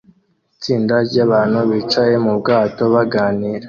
Itsinda ryabantu bicaye mu bwato baganira